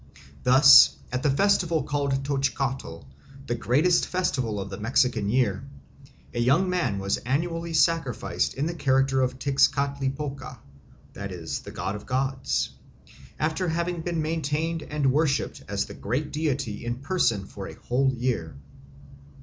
Thus at the festival called Toxcatl, the greatest festival of the Mexican year, a young man was annually sacrificed in the character of Tezcatlipoca, "the god of gods," after having been maintained and worshipped as that great deity in person for a whole year.